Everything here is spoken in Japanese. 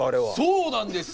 そうなんですよ！